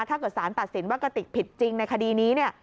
ถ้าเกิดสารตัดสินว่ากระติกผิดจริงในคดีนี้เนี่ย